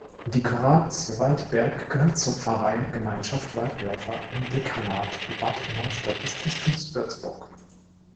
Die Kuratie Waldberg gehört zur Pfarreiengemeinschaft Walddörfer im Dekanat Bad Neustadt des Bistums Würzburg.